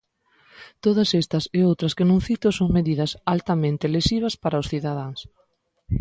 Todas estas, e outras que non cito, son medidas altamente lesivas para os cidadáns.